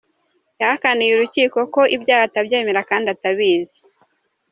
Yahakaniye urukiko ko ibyaha atabyemera kandi atabizi.